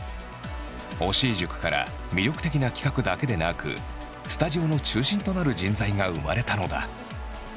押井塾から魅力的な企画だけでなくスタジオの中心となる人材が生まれたのだ。